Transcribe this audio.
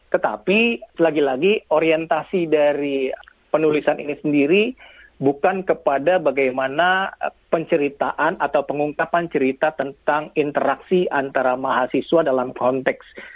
tetapi lagi lagi orientasi dari penulisan ini sendiri bukan kepada bagaimana penceritaan atau pengungkapan cerita tentang interaksi antara mahasiswa dalam konteks